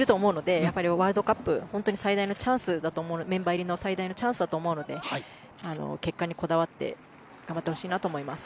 ここはワールドカップのメンバー入りの最大のチャンスだと思うので結果にこだわって頑張ってほしいなと思います。